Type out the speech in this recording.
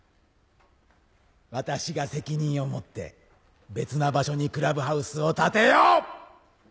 私が責任を持って別な場所にクラブハウスを建てよう！